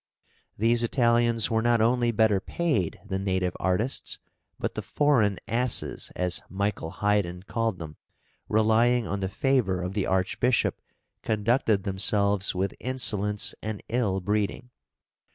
These Italians were not only better paid than native artists, but the "foreign asses," as Michael Haydn called them, relying on the favour of the Archbishop, conducted themselves with insolence and ill breeding.